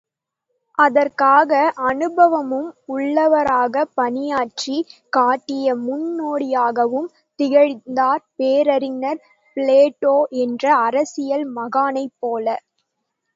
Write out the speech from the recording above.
அதற்கான அனுபவமும் உள்ளவராகப் பணியாற்றிக் காட்டிய முன் னோடியாகவும் திகழ்ந்தார் பேரறிஞர் பிளேட்டோ என்ற அரசியல் மகானைப் போல!